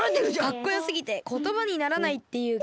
かっこよすぎてことばにならないっていうか。